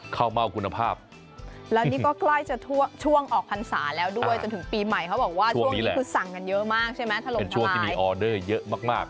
รายได้ดีมากเลยนะครับคุณผู้ชม